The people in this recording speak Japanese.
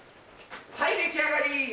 はい出来上がり！